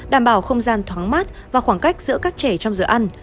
đảm bảo không gian thoáng mát và khoảng cách giữa các trẻ trong giờ ăn